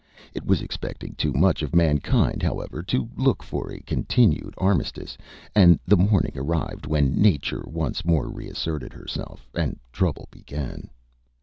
It was expecting too much of mankind, however, to look for a continued armistice, and the morning arrived when Nature once more reasserted herself, and trouble began.